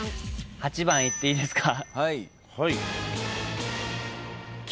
８番いっていいですか？